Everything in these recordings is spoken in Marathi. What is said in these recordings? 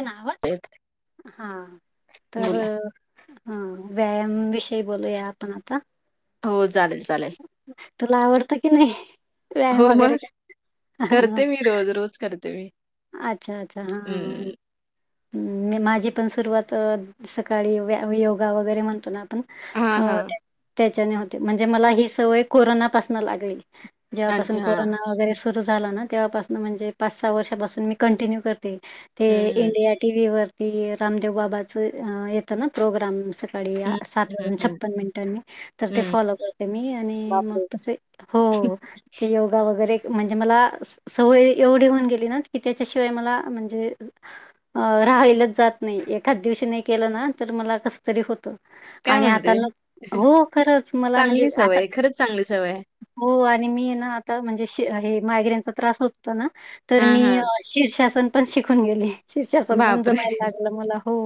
येतोय ना आवाज हां तर बोला हा व्यायाम विषयी बोलूया आपण आता हो चालेल चालेल तुला आवडतं की नाही हो व्यायाम वगैरे मग करते मी रोज रोज करते मी अच्छा अच्छा हा हा. हं. माझी पण सुरुवात सकाळी योगा वगैरे म्हणतो ना आपण हां, अ हां. त्याच्याने होते म्हणजे मला ही सवय कोरोनापासन लागली. जेव्हापासून अच्छा, हां. कोरोना वगैरे सुरू झाला ना तेवपासून म्हणजे, पाच सहा वर्षापासून मी कंटिन्यू कर ते हं, हं. इंडिया टीव्ही वरती रामदेव बाबाच येतं ना प्रोग्राम सकाळी सात हं, हं, वाजून हं, छप्पन मिनिटांनी तर ते हं. फॉलो करते मी आणि मग बापरे! तसे हो ते योगा वगैरे म्हणजे मला सवय एवढी होऊन गेली की त्याच्याशिवाय मला म्हणजे अ राहिलच जात नाही एखाद्या दिवशी नाही केलं ना तर मला कसतरी होत. काय आणि आता म्हणते? हो खरंच मला म्हणजे चांगली सवय आता आहे, खरंच चांगली सवय आहे. हो आणि मी ना आता म्हणजे हे मायग्रेनचा त्रास होत होत ना तर हां, मी हां. शीर्षासन पण शिकून गेली शीर्षासन पण बापरे! जमायला लागलं मला हो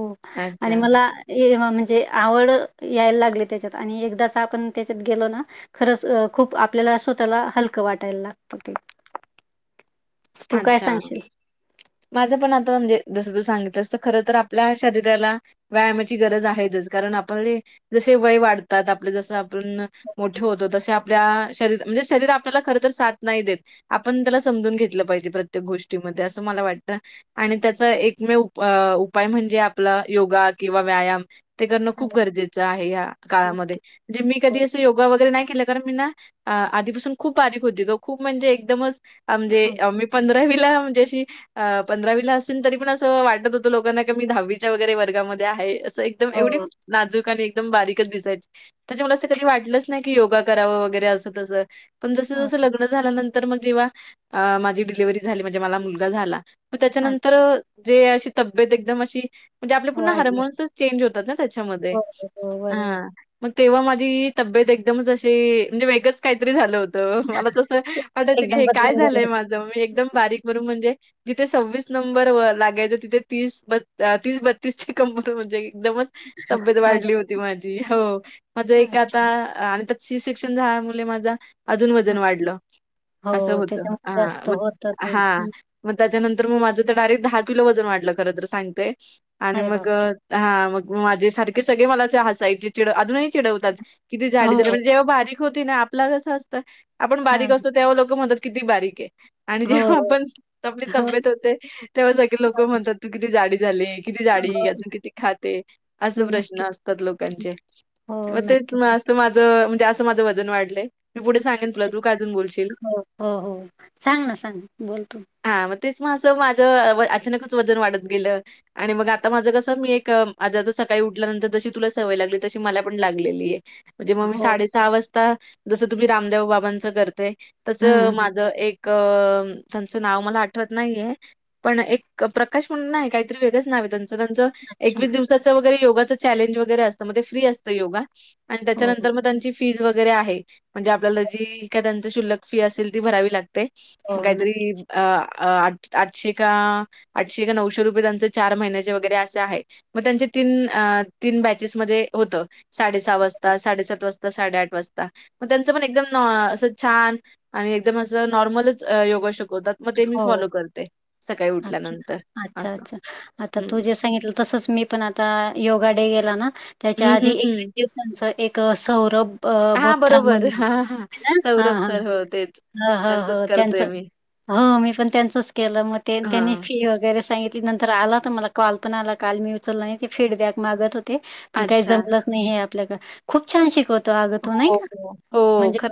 आणि अच्छा, मला म्हणजे आवड यायला लागली त्याच्यात आणि एकदा अस आपण त्याच्यात गेलो ना खरंच अ खूप आपल्याला स्वतःला हलकं वाटायला लागत ते तू काय अच्छा सांगशील? माझं पण आता म्हणजे जस तू सांगितलंसत खर तर आपल्या शरीराला व्यायामाची गरज आहेच कारण आपले जसे वय वाढतात आपलं जसं पण मोठ होतो तसे आपण आप शरीर म्हणजे शरीर आपल्याला खर तर साथ नाही देत आपण त्याला समजून घेत लं पाहिजे प्रत्येक गोष्टीमध्ये असं मला वाटतं. आणि त्याचा एकमेव उपाय म्हणजे आपला योगा किंवा व्यायाम ते करणं खूप गरजेचं आहे या काळामध्ये म्हणजे, मी हो, कधी असं योगा वगैरे नाही केलं कारण मी ना अ आधीपासून खूप बारीक होती, खूप म्हणजे एकदमच आ म्हणजे हो, अ, मी पंधरावीला म्हणजे अशी अ पंधरावीला असेल, तरी पण असं वाटत होतं, लोकांना क मी दहावीच्या वगैरे वर्गामध्ये आहे असं एक एकदम एवढी हो, नाजूक आणि एकदम बारीकच दिसायची. त्याच्या मला असं कधी वाटलंच नाही, की योगा करावं वगैरे असं तसं. पण जसं हो. जसं लग्न झाल्यानंतर मग जेव्हा आ माझी डिलिव्हरी झाली, म्हणजे मला मुलगा झाला मग त्याच्यानंतर अच्छा, जे अशी तब्येत एकदम अशी म्हणजे, आपल्या पूर्ण वाढलं. हार्मोन्सच चेंज होतात ना. त्याच्यामध्ये हो हो बरोबर हा मग तेव्हा माझी तब्येत एकदमच अशी म्हणजे, वेगळच काहीतरी झालं होतं. तर मला तसं ते वाटायचं की एकदम हे काय बदलून झालंय, गेले माझं मी एकदम बारीक बरून म्हणजे. जिथे सव्वीस नंबर व लागायचं, तिथे तीस तीस बत्तीस ची कंबर म्हणजे एकदमच. तब्येत अरे वाढली होती माझी, हो माझ एक आता अच्छा आणि त्यात सी सेक्शन झाल्यामुळे माझं अजून वजन हां. वाढलं असं हो होत त्याच्यामुळे हा. जास्त म होत ते हा. हं. मग त्याच्यानंतर मग माझं तर डायरेक्ट दहा किलो वजन वाटलं, खर तर सांगतेय आणि अरे बाप मग हा मग माझे सारखे सगळे मला हसायचे. चिडव अजूनही चिडवतात किती झाडी हो झालं म्हणजे जेव्हा बारीक होती ना आपला कसं असतं आपण हा बारीक असतो तेव्हा लोक म्हणतात किती बारीक आहे, आणि हो जेव्हा आपण आपली हो तब्येत होते तेव्हा सगळे लोक म्हणतात, तू किती जाडी झाली. किती जाडी या हो तू किती खाते असं नक्की प्रश्न असतात लोकांचे. हो मग तेच नक्कीच असं माझं म्हणजे असं माझं वजन वाढलंय, मी पुढे सांगेन तुला तू काय अजून बोलशील. हो हो. हो. सांग ना, सांग बोलतो. हा मग तेच मग असं माझं अचानकच वजन वाढत गेलं. आणि मग आता माझं कसं, मी एक माझ्या आता सकाळी उठल्यानंतर जशी तुला सवय लागली, तशी मला पण लागलेली आहे. म्हणे मग मी हो साडे सहा वाजता जस तुम्ही रामदेव बाबांच करते हम्म माझं एक त्यांचं नाव मला आठवत नाहीये. पण एक प्रकाश म्हणून नाही काहीतरी वेगळच नाव त्यांचं त्यांच अच्छा एकवीस दिवसाच वैगेरे योगाच चॅलेंज वगैरे असतं म्हणजे फ्री असतं योगा, आणि हो त्याच्यानंतर मग त्यांची फीज वगैरे आहे म्हणजे आपल्याला जी काय त्यांच शुल्क फी असेल ती भरावी लागते हो मग नक्की काहीतरी अ आ आठशे का आठशे का नऊशे रुपये त्यांचं चार महिन्याचे वगैरे असे आहे. मग त्यांचे तीन तीन बॅचेस मध्ये होत साडेसहा वाजता साडेसात वाजता साडेआठ वाजता मग त्यांचं पण एकदम असं छान आणि एकदम असं नॉर्मलच योगा शिकवतात. मग ते मी हो फॉलो करते सकाळी अच्छा उठल्यानंतर असं. तसच मी पण आता योगा डे गेला ना त्याच्या हं, आधी हं, एकवीस हं. दिवसांच एक एक सौरभ हां, बोथ्रा बरोबर. म्हणून हां, हां. [unintelligible] हा सौरभ हा. सर हो तेच. ह ह त्यांचंच हो त्यांच करते मी. हो मी पण त्यांचच केलं मग ते त्यांनी हां. फी वगैरे सांगितली नंतर आला होता मला कॉल पण आला, काल मी उचला नाही ते फीडबॅक मागत होते. पण काही अच्छा. जमलंच नाही, हे आपल्या खूप छान शिकवतो, आग तो नाही हो, का! हो. हो, म्हणजे खरं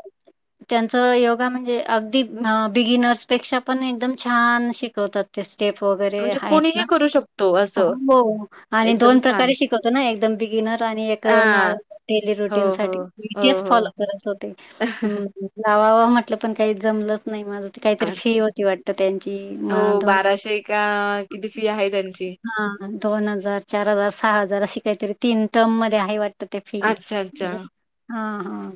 त्यांचं योगा म्हणजे अगदी बिगिनर्स पेक्षा पण एकदम छान शिकवतात. ते स्टेप वगैरे म्हणजे आहेत कोणीही ना करू शकतो असं हो आणि एकदम दोन छान. प्रकारे शिक कवतो ना एकदम बिगिनर आणि एक नॉ हां. डेली हो, रुटीन हो. साठी मी हो, तेच फॉलो. हो. करत होते. हम्म. लावावा म्हटलं पण काही जमलंच नाही, माझ काहीतरी फी अच्छा. होती वाटत त्यांची हो मा दोन. का किती फी आहे त्यांची. हा हा, दोन हजार, चार हजार, सहा हजार अशी काहीतरी तीन टर्म मध्ये आहे वाट तर ते फीज. अच्छा, अच्छा. हा हा.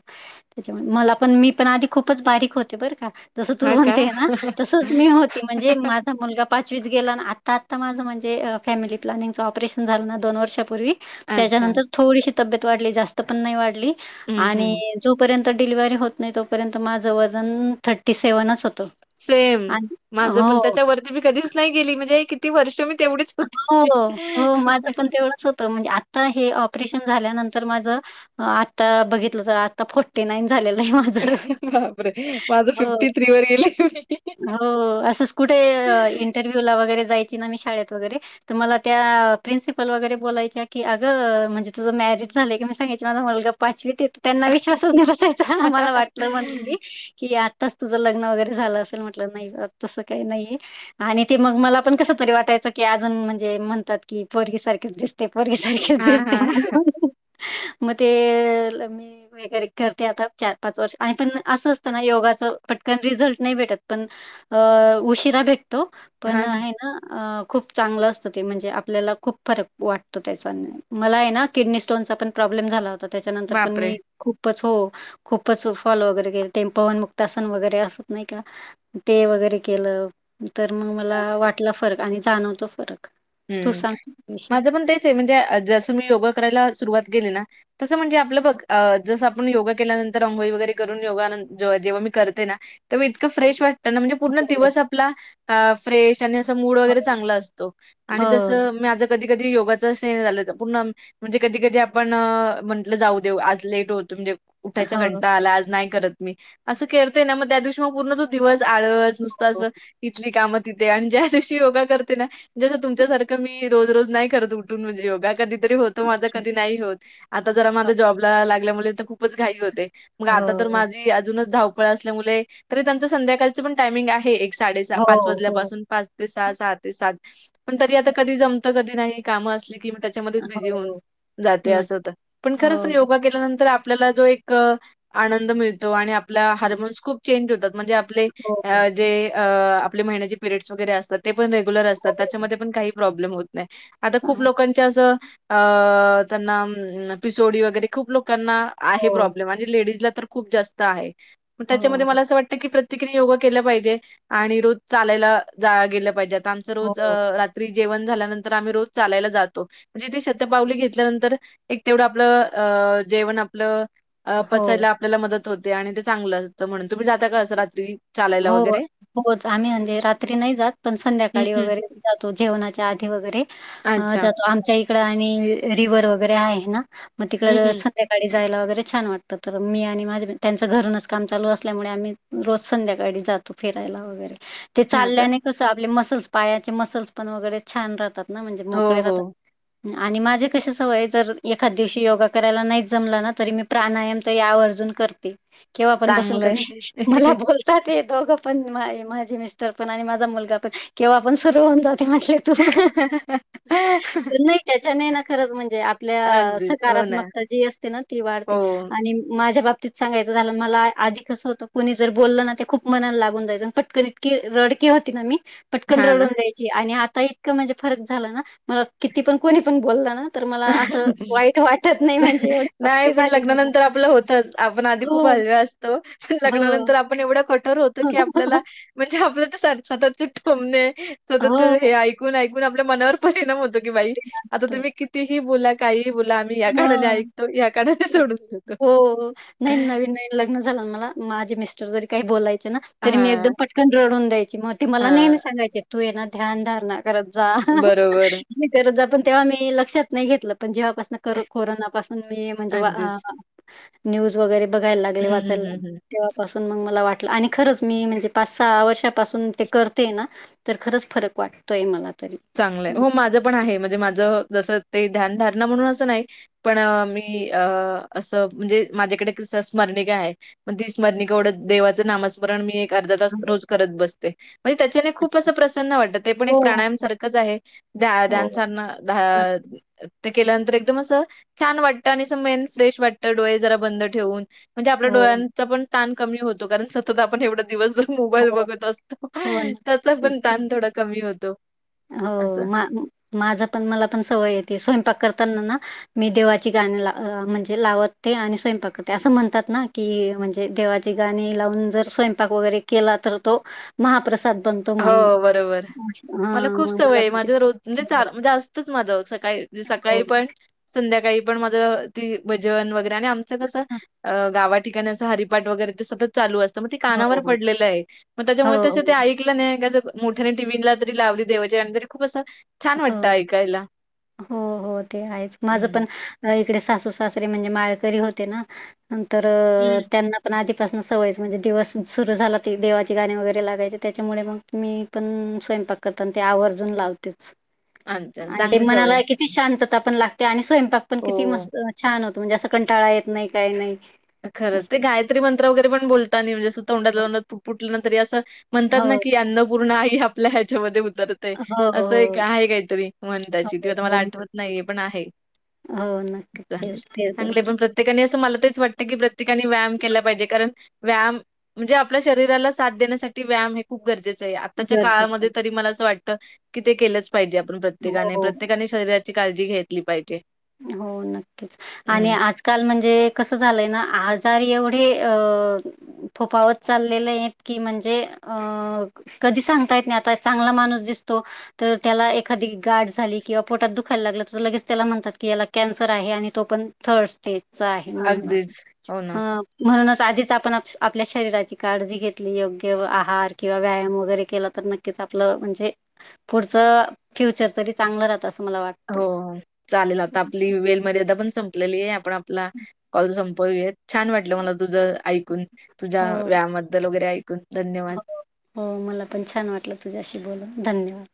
त्याच्यामुळे मला पण मी पण आधी खूपच बारीक होते बर का. जसं तू हां का? म्हणतेय ना. तसंच मी होती. म्हणजे मा मुला पाचवीत गेला. आणि आत्ता आता माझं म्हणजे फॅमिली प्लनिंगं ऑपरेशन झालं ना. दोन वर्षापूर्वी. अच्छा. त्याच्यानंतर थोडीशी तब्येत वाढली. जास्त पण नाही वाढली. हं, आणि हं. जोपर्यंत डिलव्ह होत नाही. तोपर्यंत माझं वजन थर्टी सेव्हनच होत. सेम, माझं पण त्याच्यावरती मी कधीच नाही गेली. म्हणजे किती वर्ष मी तेवढीच. होती. हो, हो, माझं पण तेवढंच होत. आता हे ऑपरेशन झाल्यानंतर. माझं आता बघितलं आता फोर्टी नाईन झालेलय माझ. बापरे! माझं हो, वर गेले मी. हो, असच कुठे इंटरव्ह्यू ला वगैरे जायची ना मी. शाळेत वगैरे. त मला त्या प्रिन्सिपल वगैरे बोलायच्या की, अगं म्हणजे तुझं मॅरिज झालंय की. मी सांगयचे माझा मुलगा पाचवीते. त्यांना विश्वासच नाही बसायचा. आम्हाला वाटलं म्ह कि आत्ताच तुझं लग्न वगैरे झालं असेल. म्हटलं नाही. तसं काही नाहीये. आणि ते मग, मला पण कसं तरी वाटायचं. की अजून म्हणजे म्हणतात की, पोरगीसारखेच दिसतेय. पोरगीसारखेच हां, दिसतेय हां. म्हणून. म ते. मी. योगा वगैरे करते आता. चार पाच वर्ष आणि पण असं असतना. योगाच पटकन रिझल्ट नाही भेटत. पण अ उशिरा भेटतो. पण हां. हे ना खूप चांगलं असतं ते. म्हणजे आपल्याला खूप फरक वाटतो त्याचा. मलाय ना किडनी स्टोनचा पण प्रॉब्लेम झाला होता. त्याच्यानंतर पण बापरे! मी खूप खूपच, हो खूपच फॉल वगैरे केल. ते पवनमुक्ता सन वगैरे असत नाही का? ते वगैरे केलं. तर मग मला वाटला फरक. आणि जाणवतो फरक. तू हम्म. सांग विषय? माझं पण तेचे. म्हणजे जसं मी योगा करायला सुरुवात केेली ना. तसं म्हणजे आपलं बघ. जसं आपण योगा केल्यानंतर अंघोळी वगैरे करून. योगा जेव्हा मी करते ना. त इतकं फ्रेश वाटतं ना. म्हणजे पूर्ण दिवस आपला, फ्रेश अस मूड वगैरे चांगला असतो. आणि हो, जसं मी माझ कधी कधी योगाचा झाले त पुर्ण म्हणजे कधी कधी आपण म्हंटलं जाऊ देऊ. आज लेट होतो. म्हणजे उठायचा हो, कंटाळा आला आज नाही करत मी. असं करतेय ना. म त्या दिवशी म पूर्ण दिवस आळस हो. नुसताचं. इथली कामं तिथे. आणि ज्या दिवशी योगा करते ना. जसं तुमच्यासारखं मी रोज रोज नाही करत. उठून म्हणजे योगा. कधीतरी होतो माझं अच्छा. कधी नाही होत. आता जरा माझ् जॉबला लागल्यामुळे तर खूपच घाई होते. मग आता तर हो. माझी अजूनच धाव पळ असल्यामुळे. तरी त्यांच संध्याकाळच पण टायमिंग आहे. एक साडे सा हो पाच हो वाजल्यापासून पाच ते सहा, हो सहा ते सात. पण तरी आता कधी जमत. कधी नाही. काम असली कि त्याच्यामध्ये च बिझी होऊन जाते. अस नक्की. होत. पण खरच योगा केल्या नंतर आ आपला जो एक आनंद मिळतो. आणि आपला हो हार्मोन्स खूप चेंज होतात. म्हणजे आ पले हो जे आपले महिन्याचे पिरयड्स वगैरे असतात. ते पण रेग्युलर असतात. मध्ये पण काही प्रॉब्लेम होत नाही. आता हो खूप लोकांनी अस अ त्यांना पिसोडी वगैरे खूप लोकांना आहे प्रॉब्लेम. आणि लेडीजला तर खूप जास्त आहे. हो त्याच्यामध्ये मला असं वाटत की प्रतिकीने योगा केला पाहिजे. आणि रोज चालायला जा गेलं पाहिजे. आता आमच हो रोज रात्री जेवण झाल्यानंतर. आम्ही रोज चालायला जातो. म्हणजे ती शतपावली घेतल्यानंतर. एक तेवढं. आपलं अ जेवण आपलं. अ पचायला आपल्याला मदत होते. आणि ते चांगलं असतं म्हणून. तुम्ही जाता का असं रात्री? चालायला हो वगैरे? हो जाने म्हणजे रात्री नाही जात. पण हं, संध्याकाळी हं. वगैरे. जातो. जेवणाच्या आधी वगैरे अच्छा. जातो. आमच्या इ कड आणि रिव्हर वगैरे आहे ना म तिकड हं, हं. संध्याकाळी जायला वगैरे छान वाटत. तर मी आणि माझे मी, त्यांच घरूनच काम चालू असल्यामुळे, आम्ही रोज संध्याकाळी जातो फिरायला वगैरे. ते हां का? चालल्याने कस आपले मसल्स. पायाचे मसल्स पण. वगैरे छान राहतात ना. म्हणजे हो, मोकळे राहात. हो. आणि माझे कशी सवये. जर एखाद दिवशी योगा करायला नाहीत जमला ना. तरी मी प्राणायाम तर यावर्जून करते. किंवा आपण बसून चांगलं कधी, आहे. मला बोल दोघं पण, माझे मिस्टर पण, आणि माझा मुलगा पण, केव्हा पण सुरू होऊन जात म्हट हो हा. [unintelligible] तर नाही काय, त्याच्याने ना खरंच म्हणजे, आपल्या अगदीच. हो ना. सकारात्मकता जी असते ना ती वाढते. हो. आणि माझ्या बाबतीत सांगायचं झालं, मला आधी कसं होतं, कुणी जर बोललं ना खूप मनाला लागून जायच, पटकन इतकी रडके होती ना मी, पटकन हां रडून ना. जाय आणि आता इतकं म्हणजे, फरक झाला ना, मला किती पण कोणी पण बोलल ना तर मला असं वाईट [unintelligible] वाटत नाही म्हणजे एवढी नाही पक्की पण झाली मी आता. लग्नानंतर आपलं होतच, आपण आधी हो, खूप हळव्या अस हो. लग्नानंतर आप पण एवढं कठोर होत हो, हो. की, आपल्याला म्हणजे आपलं तर सततचे टोमने सतत हे ऐकून-ऐकून आपल्या मनावर परिणाम होतो, की बाई ते ना. आता तो. तुम्ही क कितीही बोला, काहीही बोला, आम्ही या काणाने हां. ऐकतो, या कानाने सोडून देतो. हो. नाही नवीन-नवीन लग्न झालं मला, माझे मिस्टर जरी काही बोलायचे ना, तरी मी एकदम हां, पटकन रडून द्याय की म मला हां. नेहमी सांगायचे, तू ये ना ध्यान धारणा करत जा. बरोबर. मी [unintelligible] पण तेव्हा मी लक्षात नाही घेतलं, पण जेव्हापासून कर कोरोनापासून मी म्हणजे अगदीच. न्यूज वगैरे बघायला लागले, हं, हं, वाचायला हं, लागले हं. तेव्हापासून मग मला वाटलं, आणि खरंच मी म्हणजे, पाच सहा वर्षापासून ते करते ना तर खरंच फरक वाटतोय मला तरी. चांगलंय, हं. हो माझं पण आहे, म्हणजे माझं जसं ते ध्यान धारणा म्हणून असं नाही पण मी अ असं, म्हणजे माझ्याकडे कस स्मरणिक आहे. मग ती स्मरणीका ओढत, देवाचं नामस स्मरण मी एक अर्धा तास रोज करत बसते, म्हणजे त्याच्याने खूप असं प्रसन्न वाटतं, ते पण एक हो, प्राणायम सारख च आहे, ध्या ध्यान हो. सारणा नक्की. ते केल्यानंतर एकदम असं छान वाटतं, आणि असं मेन फ्रेश वाटतं, डोळे जरा बंद ठेवून म्हणजे आपल्या हो, डोळ्यांचा पण ताण कमी होतो, कारण सतत आपण एवढं दिवसभर मोबाईल हो, बघत असतो, हो ना. त्याचा तेच, तेच. पण ताण थोडा कमी होतो. असं. हो, माझा पण, मला पण सवय ये, ते स्वयंपाक करताना ना मी देवाची गाणी ला म्हणजे लावते, आणि स्वयंपाक करते, असं म्हणतात ना की, म्हणजे देवा देवाची गाणी लावून जर स्वयंपाक वैगेरे केला, तर तो महाप्रसाद बन हो, बरोबर. मला खूप मग सवय मला आहे, पण माझं तेच रोज म्हणजे, चार म्हणजे असतंच माझं सकाळी, हो, सकाळी पण संध्याकाळी पण, माझ ती भजन वैगरे, आमच कस गावात ठिकाणी अस हरिपाट वगैरे, ते सतत चालू असत, म ते हो, हो, कानावर पडलेलं आहे, मग त्याच्यामुळे हो, तसं ते ऐ लं नाही, मोठ्याने टीव्नला तरी लावली देवाची गाणी, तरी खूप असं छान हो, वाटतं ऐकायला. हो हो, ते आहेच, माझ हं. पण इकडे सासू सासरे, म्हणजे माळकरी होते ना, नंतर हं. त्यांना पण आधीपासून सवयच म्हणजे, दिवस सुरू झाला ती देवाची गाणी वगैरे लागायचे, त्याच्यामुळे मग मी पण स्वयंपाक करताना ते आवर्जून लावतेच. आणि ते चांगली सवय मनाला आहे. किती शांतता पण लागते, आणि स्वयंपाक पण किती हो. मस्त छान होतो, म्हणजे अस कंटाळा येत नाही, काही नाही. खरंच, ते असं. गायत्री मंत्र वगैरे पण बोलतानी, म्हणजे असं, तोंडातल्या तोंडात पुटपुटलं ना तरी असं म्हणतात ना हो. की, अन्नपूर्ण आई आपल्या ह्याच्यामध्ये उतर हो, असं एक हो. आहे काहीतरी, म्हण हो, ताची ती आता मला हो. आठवत नाही, पण आहे. हो, नक्की चालेल. [unintelligible] पण प्रत्येकाने असं मला तेच वाट की प्रत्येकाने व्यायाम केला पाहिजे, कारण व्यायाम म्हणजे, आपल्या शरीराला साथ देण्यासाठी व्यायाम खूप गरजेचं आहे, आत्ताच्या गरजेचं काळामध्ये आहे. तरी मला असं वाटत, कि ते केलं पाहिजे आपण हो, प्रत्येकाने, हो. प्रत्येकाने शरीराची काळजी घेतली पाहिजे. हो, नक्कीच. आणि हं, आज काल म्हणजे कसं झालंय ना, आजार एवढे अ फोफावत चाललेले आहेत की म्हणजे अ. कधी सांगतायत नाही आता चांगला माणूस दिसतो. तर त्याला एखादी गाठ झाली किंवा पोटात दुखायला लागलं तर लगेच त्याला म्हणतात. की याला कॅन्सर आहे आणि तो पण थर्ड स्टेजचा आहे म्हणून अस अगदीच. हो ना. ह. म्हणूनच आधीच आपण आपल्या शरीराची काळजी घेतली योग्य आहार किंवा व्यायाम वगैरे केला तर न क्कीच आपलं म्हणजे पुढच फ्युचर तरी चांगलं राहतं असं मला वाटत. हो चालेल आता आपली वेल मर्यादा पण संप आपली आहे आपण आपला कॉल संपवूया छान वाटलं मला तुझ ऐकून. तुझ्या हो. व्यामद्दल वगैरे ऐकून. धन्यवाद. हो हो मला पण छान वाटलं तुझ्याशी बोलून धन्यवाद.